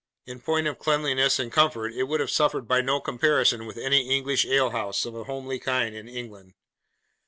In point of cleanliness and comfort it would have suffered by no comparison with any English alehouse, of a homely kind, in England.